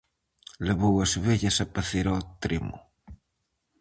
Levou as ovellas a pacer ao tremo.